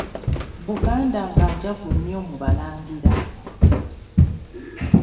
Buganda nga njavu nnyo mu balangira.